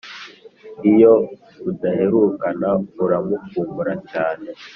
iyo mudaherukana uramukumbura cyane